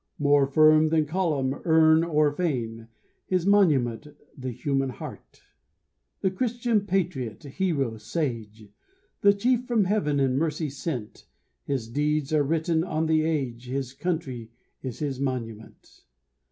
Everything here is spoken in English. More firm than column, urn or fane, His monument the human heart. The Christian, patriot, hero, sage! The chief from heaven in mercy sent; His deeds are written on the age His country is his monument.